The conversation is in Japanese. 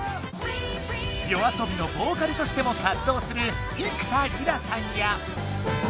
ＹＯＡＳＯＢＩのボーカルとしても活どうする幾田りらさんや。